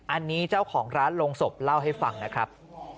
อันนี้เจ้าของร้านลงศพเล่าให้ฟังนะครับ